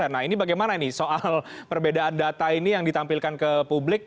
nah ini bagaimana ini soal perbedaan data ini yang ditampilkan ke publik